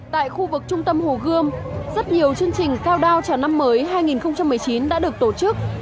tại khu vực trung tâm hồ gươm rất nhiều chương trình cao đao chào năm mới hai nghìn một mươi chín đã được tổ chức